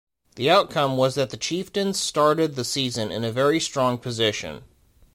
The outcome was that the Chieftains started the season in a very strong position.